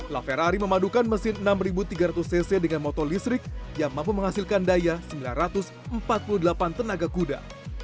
la ferrari memadukan mesin enam tiga ratus cc dengan motor listrik yang mampu menghasilkan daya sembilan ratus empat puluh delapan tenaga kuda